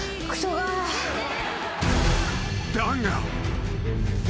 ［だが］